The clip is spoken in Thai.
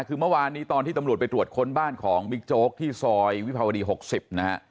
คือเมื่อวานนี้ตอนที่ตำรวจไปตรวจค้นบ้านของบิ๊กโจ๊กที่ซอยวิภาวดี๖๐นะฮะ